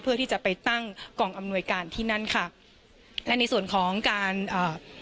เพื่อที่จะไปตั้งกองอำนวยการที่นั่นค่ะและในส่วนของการอ่า